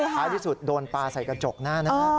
ท้ายที่สุดโดนปลาใส่กระจกหน้านะฮะ